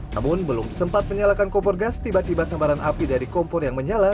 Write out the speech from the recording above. namun belum sempat menyalakan kompor gas tiba tiba sambaran api dari kompor yang menyala